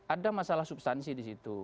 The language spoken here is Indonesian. ada masalah substansi di situ